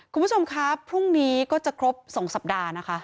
คุณผู้ชมครับพรุ่งนี้ก็จะครบ๒สัปดาห์นะคะ